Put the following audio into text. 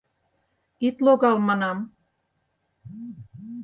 Ит логал, манам!..